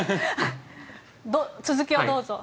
続きをどうぞ。